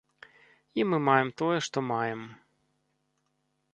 І мы маем тое, што маем.